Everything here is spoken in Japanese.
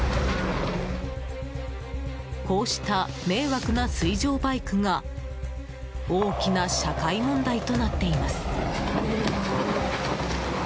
こうした迷惑な水上バイクが大きな社会問題となっています。